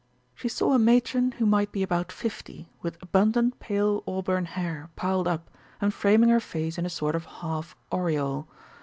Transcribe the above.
She saw a matron who might be about fifty, with abundant pale auburn hair, piled up, and framing her face in a sort of half aureole.